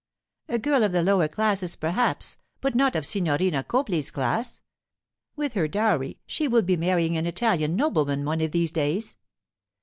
'A girl of the lower classes perhaps, but not of Signorina Copley's class. With her dowry, she will be marrying an Italian nobleman one of these days.